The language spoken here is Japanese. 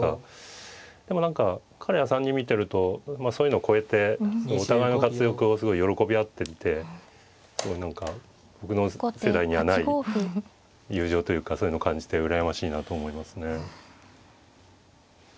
でも何か彼ら３人見てるとそういうのを超えてお互いの活躍をすごい喜び合っていてすごい何か僕の世代にはない友情というかそういうのを感じて羨ましいなと思いますね。